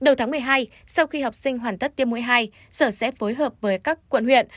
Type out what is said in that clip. đầu tháng một mươi hai sau khi học sinh hoàn tất tiêm mũi hai sở sẽ phối hợp với các quận huyện